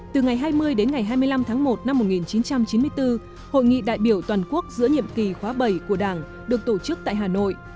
từ ngày hai mươi đến ngày hai mươi năm tháng một năm một nghìn chín trăm chín mươi bốn hội nghị đại biểu toàn quốc giữa nhiệm kỳ khóa bảy của đảng được tổ chức tại hà nội